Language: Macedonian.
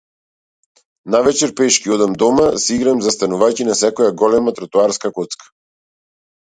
Навечер пешки одам дома, си играм застанувајќи на секоја голема тротоарска коцка.